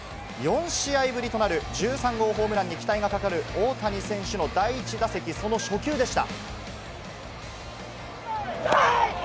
４試合ぶりとなる１３号ホームランに期待がかかる大谷選手の第１打席、その初球でした。